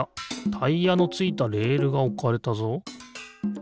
タイヤのついたレールがおかれたぞ。